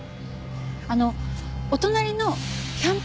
あのお隣のキャンプ